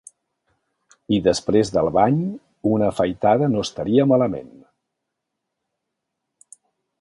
I després del bany, una afaitada no estaria malament.